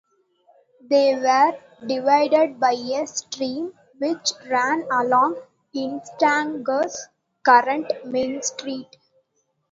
They were divided by a stream which ran along Insadong's current main street.